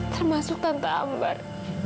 termasuk tante ambar